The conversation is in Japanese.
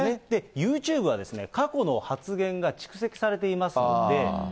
ユーチューブは過去の発言が蓄積されていますので。